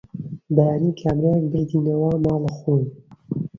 بەیانی کابرایەک بردینیە ماڵە خۆی